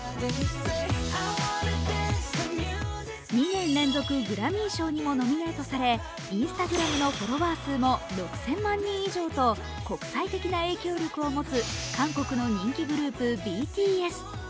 ２年連続グラミー賞にもノミネートされＩｎｓｔａｇｒａｍのフォロワー数も６０００万人以上と国際的な影響力を持つ韓国の人気グループ・ＢＴＳ。